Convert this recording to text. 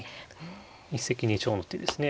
一石二鳥の手ですね。